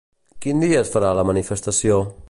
Quin dia es farà la manifestació?